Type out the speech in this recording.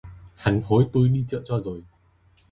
Hắn hối tui đi chợ cho rồi